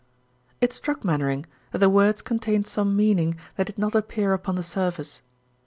It struck Mainwaring that the words contained some meaning that did not appear upon the surface.